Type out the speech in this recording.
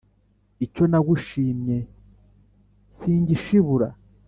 Icyo nagushimye singishibura,